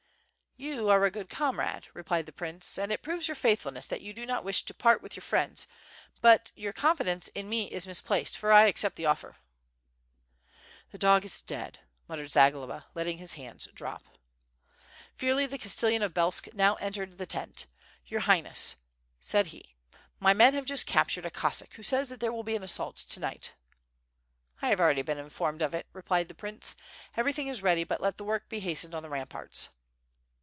"You are a good comrade," replied the prince, "and it proves your faithfulness that you do not wish to part with your friends, but your confidence in me is misplaced, for 1 accept the offer." "The dog is dead," muttered Zagloba, letting his hands drop. Firley the Castellan of Belsk now entered the tent. "Your Highness," said he, "my men have just captured a Cossack who says that there will be an assault to night." "I have already been informed of it," replied the prince, "everything is ready, but let the work be hastened on the ramparts."